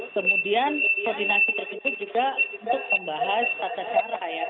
kemudian koordinasi tersebut juga untuk membahas kata kata ya